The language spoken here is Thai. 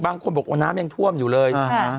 บางคนบอกว่าน้ำยังท่วมอยู่เลย